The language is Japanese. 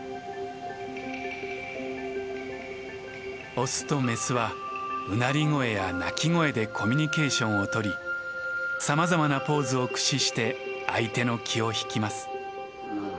オスとメスはうなり声や鳴き声でコミュニケーションをとりさまざまなポーズを駆使して相手の気を引きます。